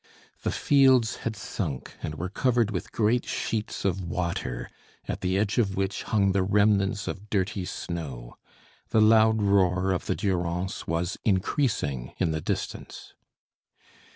The fields had sunk, and were covered with great sheets of water, at the edge of which hung the remnants of dirty snow. The loud roar of the Durance was increasing in the distance.